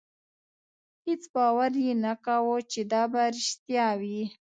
هېڅ باور یې نه کاوه چې دا به رښتیا وي.